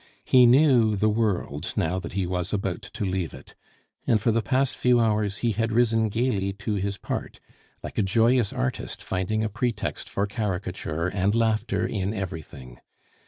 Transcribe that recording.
He knew the world now that he was about to leave it, and for the past few hours he had risen gaily to his part, like a joyous artist finding a pretext for caricature and laughter in everything.